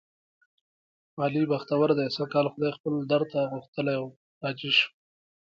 علي بختور دی سږ کال خدای خپل درته غوښتلی و. حاجي شو،